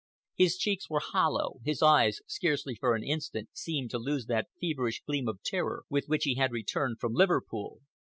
His cheeks were hollow, his eyes scarcely for an instant seemed to lose that feverish gleam of terror with which he had returned from Liverpool.